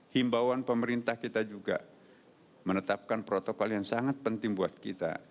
himbauan pemerintah kita juga menetapkan protokol yang sangat penting buat kita